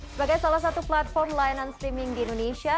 sebagai salah satu platform layanan streaming di indonesia